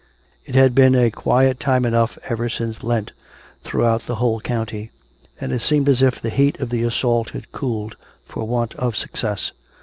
" It had been a quiet time enough ever since Lent, through out the whole county; and it seemed as if the heat of the assault had cooled for want of success.